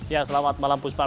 ya selamat malam puspa